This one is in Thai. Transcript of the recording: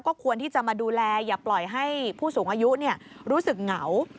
ควรที่จะมาดูแลอย่าปล่อยให้ผู้สูงอายุรู้สึกเหงา